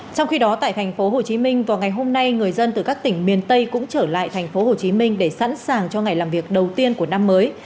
trong khi đó tại tp hcm vào ngày hôm nay người dân từ các tỉnh miền tây cũng trở lại tp hcm để sẵn sàng cho ngày làm việc đầu tiên của năm mới